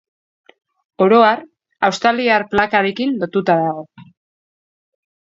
Oro har, Australiar Plakarekin lotua dago.